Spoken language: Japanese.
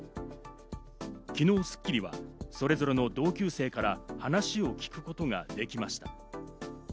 昨日『スッキリ』はそれぞれの同級生から話を聞くことができました。